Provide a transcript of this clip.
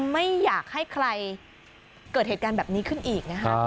ไม่อยากให้ใครเกิดเหตุการณ์แบบนี้ขึ้นอีกนะฮะ